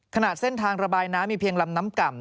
ขนาดเส้นทางระบายน้ำมีเพียงลำน้ำก่ำ